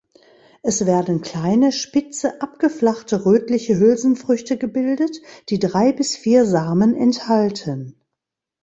Es werden kleine, spitze, abgeflachte, rötliche Hülsenfrüchte gebildet, die drei bis vier Samen enthalten.